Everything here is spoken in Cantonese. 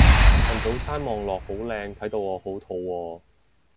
份早餐望落好靚睇到我好肚餓